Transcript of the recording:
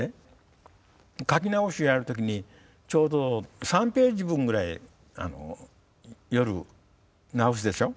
書き直しをやるときにちょうど３ページ分ぐらい夜直すでしょ。